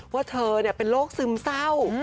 ว่าเธอเป็นโรคซึมเศร้า